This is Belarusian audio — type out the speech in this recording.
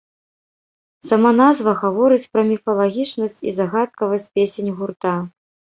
Сама назва гаворыць пра міфалагічнасць і загадкавасць песень гурта.